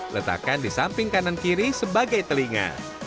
letakkan di samping kanan kiri sebagai telinga